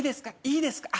いいですか？